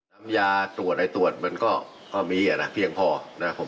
น้ำยาตรวจไอ้ตรวจมันก็มีอ่ะนะเพียงพอนะครับผม